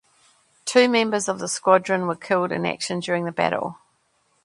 Two members of the squadron were killed in action during the battle.